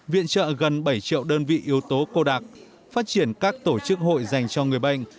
viện trợ gần bảy triệu đơn vị yếu tố cô đặc phát triển các tổ chức hội dành cho người bệnh